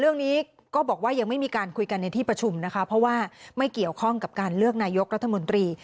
เรื่องนี้ก็บอกว่ายังไม่มีการคุยกันในที่ประชุมนะคะเพราะว่าไม่เกี่ยวข้องกับการเลือกนายกรัฐมนตรี